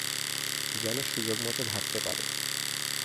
যেনো সুযোগ মতো ভাগতে পারো।